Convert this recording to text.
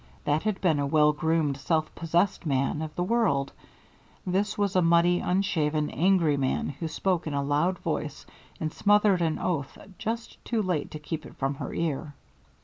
That had been a well groomed, self possessed man of the world; this was a muddy, unshaven, angry man, who spoke in a loud voice and smothered an oath just too late to keep it from her ear.